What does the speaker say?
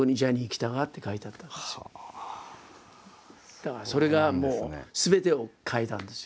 だからそれがもうすべてを変えたんですよ。